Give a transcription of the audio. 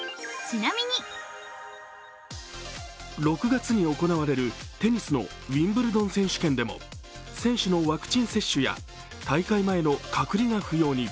６月に行われるテニスのウィンブルドン選手権でも選手のワクチン接種や大会前の隔離が不要に。